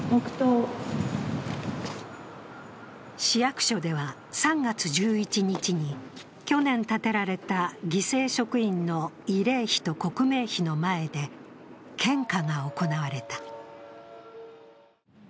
市役所では３月１１日に去年建てられた犠牲職員の慰霊碑と刻銘碑の前で献花が行われた。